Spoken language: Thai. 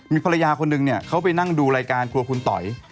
มีภรรยาคนหนึ่งเนี่ยเขาไปนั่งดูรายการกลัวคุณต๋อย